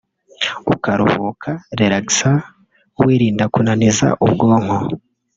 ukaruhuka (relaxer) wirinda kunaniza ubwonko